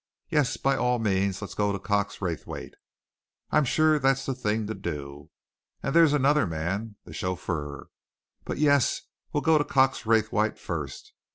"Yes, by all means let us go to Cox Raythwaite. I'm sure that's the thing to do. And there's another man the chauffeur. But yes, we'll go to Cox Raythwaite first.